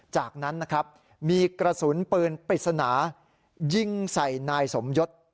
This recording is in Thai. จากนั้นนะครับมีกระสุนปืนปริศนายิงใส่นายสมยศ